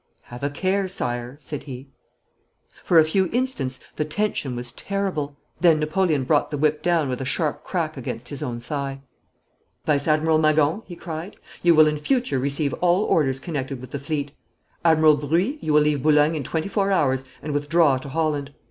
'Have a care, Sire,' said he. For a few instants the tension was terrible. Then Napoleon brought the whip down with a sharp crack against his own thigh. 'Vice Admiral Magon,' he cried, 'you will in future receive all orders connected with the fleet. Admiral Bruix, you will leave Boulogne in twenty four hours and withdraw to Holland.